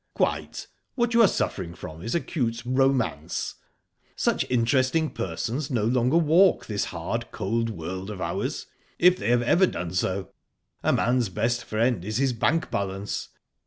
"Quite. What you are suffering from is acute romance. Such interesting persons no longer walk this hard, cold world of ours, if they have ever done so. A man's best friend is his bank balance.